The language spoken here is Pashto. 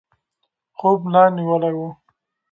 خوب ملا نیولی و.